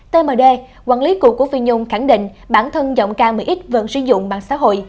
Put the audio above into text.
tmd quản lý cũ của phi nhung khẳng định bản thân giọng ca một mươi x vẫn sử dụng bản xã hội